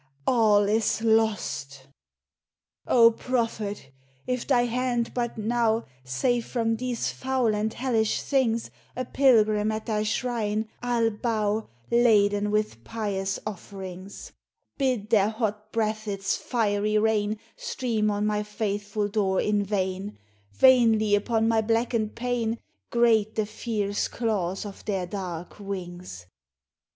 all is lost ! O Prophet ! if thy baud but now Save from these foul and hellish things, A pilgrim at thy shrine I '11 bow, Laden with pious offerings. Bid their hot breath its fiery rain Stream on my faithful door in vain, Vainly upon my blackened pane Grate the fierce claws of their dark wings